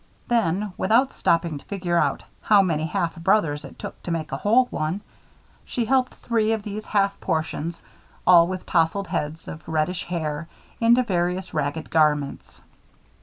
Then, without stopping to figure out how many half brothers it took to make a whole one, she helped three of these half portions, all with tousled heads of reddish hair, into various ragged garments.